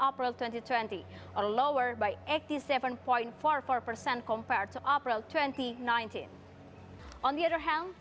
pertama tama saya ingin mencabar beberapa hal